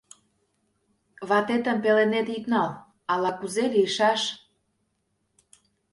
Ватетым пеленет ит нал: ала-кузе лийшаш...